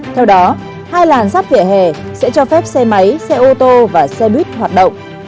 theo đó hai làn rắt vỉa hè sẽ cho phép xe máy xe ô tô và xe buýt hoạt động